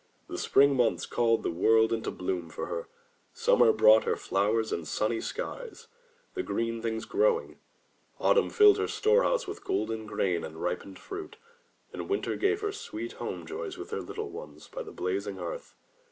The Spring Months called the world into bloom for her; Sum mer brought her flowers and sunny skies and green things grow ing; Autumn filled her storehouses with golden grain and ripened fruit, and Winter gave her sweet home joys with her little ones by the blazing hearth.